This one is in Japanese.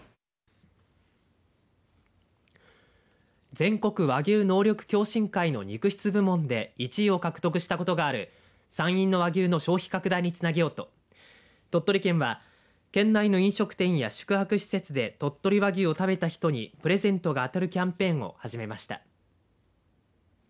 全国和牛能力共進会の肉質部門で１位を獲得したことがある山陰の和牛の消費拡大につなげようと鳥取県は県内の飲食店や宿泊施設で鳥取和牛を食べた人にプレゼントが当たるキャンペーンを始めました。